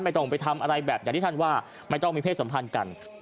ต้องไปทำอะไรแบบอย่างที่ท่านว่าไม่ต้องมีเพศสัมพันธ์กัน